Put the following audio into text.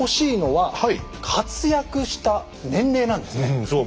うんそう。